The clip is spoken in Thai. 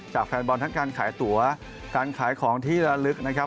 แฟนบอลทั้งการขายตั๋วการขายของที่ระลึกนะครับ